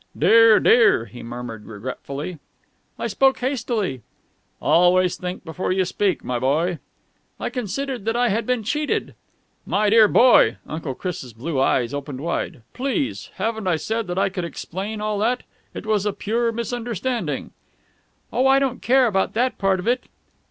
"Dear, dear!" he murmured regretfully. "I spoke hastily." "Always think before you speak, my boy." "I considered that I had been cheated...." "My dear boy!" Uncle Chris' blue eyes opened wide. "Please! Haven't I said that I could explain all that? It was a pure misunderstanding...." "Oh, I don't care about that part of it...."